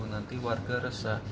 nanti warga resah